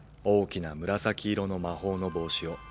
大きな紫色の魔法の帽子を。